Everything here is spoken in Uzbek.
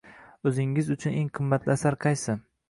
“O’zingiz uchun eng qimmatli asar qaysi?”